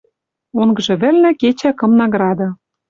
Онгжы вӹлнӹ кечӓ кым награда